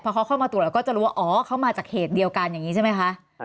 พอเขาเข้ามาตรวจเราก็จะรู้ว่าอ๋อเขามาจากเหตุเดียวกันอย่างนี้ใช่ไหมคะ